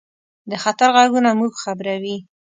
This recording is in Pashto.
د خطر غږونه موږ خبروي.